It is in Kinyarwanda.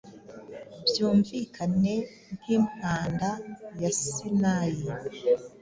Byumvikane nkimpanda ya Sinayi